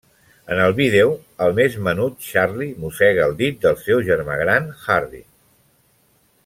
En el vídeo, el més menut, Charlie, mossega el dit del seu germà gran, Harry.